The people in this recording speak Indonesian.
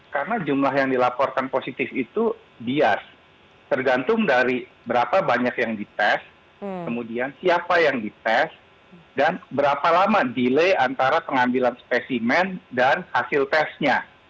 karena jumlah yang dilaporkan positif itu bias tergantung dari berapa banyak yang dites kemudian siapa yang dites dan berapa lama delay antara pengambilan spesimen dan hasil tesnya